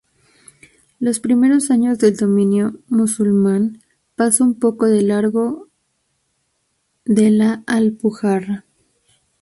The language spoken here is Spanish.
Los primeros años del dominio musulmán pasa un poco de largo de la Alpujarra.